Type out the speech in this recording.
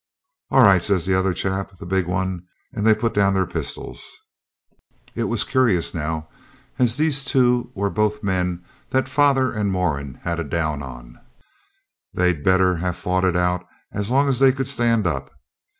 'All right,' says the other chap, the big one; and they put down their pistols. It was curious now as these two were both men that father and Moran had a down on. They'd better have fought it out as long as they could stand up.